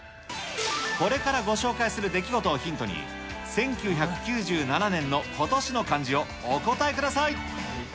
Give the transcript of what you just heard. これからご紹介する出来事をヒントに、１９９７年の今年の漢字をお答えください。